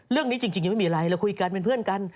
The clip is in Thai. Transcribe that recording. เรื่องนี้จริงยังไม่มีอะไรเราคุยกันเป็นเพื่อนกัน